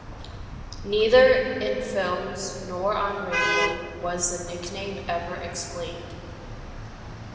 Neither in films nor on radio was the nickname ever explained.